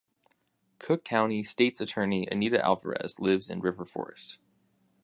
Cook County state's attorney Anita Alvarez lives in River Forest.